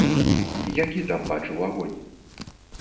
Які там бачыў агонь?